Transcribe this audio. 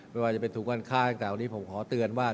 ไม่ว่าจะเป็นถุงวันฆ่าตั้งแต่วันนี้ผมขอเตือนว่า